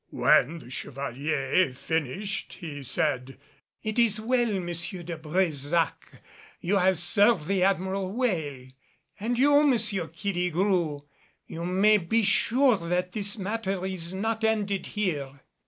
When the Chevalier finished, he said: "It is well, M. de Brésac, you have served the Admiral well and you, M. Killigrew. You may be sure that this matter is not ended here."